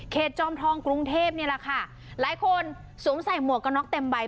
จอมทองกรุงเทพนี่แหละค่ะหลายคนสวมใส่หมวกกระน็อกเต็มใบ